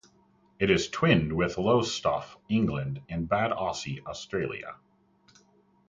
It is twinned with Lowestoft, England and Bad Aussee, Austria.